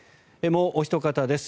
もうおひと方です。